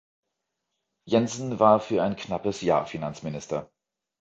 Jensen war für ein knappes Jahr Finanzminister.